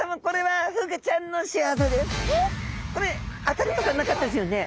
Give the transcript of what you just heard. これ当たりとかなかったですよね？